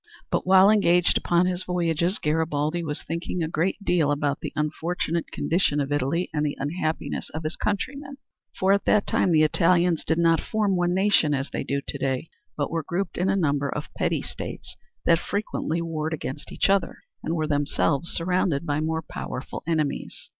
But while engaged upon his voyages Garibaldi was thinking a great deal about the unfortunate condition of Italy and the unhappiness of his countrymen, for at that time the Italians did not form one nation as they do to day, but were grouped in a number of petty states that frequently warred against each other and were themselves surrounded by more powerful enemies.